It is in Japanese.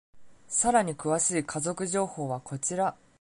さらに詳しい家族情報はこちら。